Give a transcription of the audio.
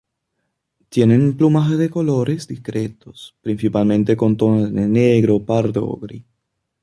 Tienen plumajes de colores discretos principalmente con tonos de negro, pardo o gris.